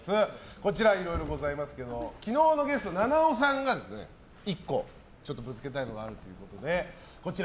こちら、いろいろございますけど昨日のゲスト、菜々緒さんが１個、ぶつけたいのがあるということで。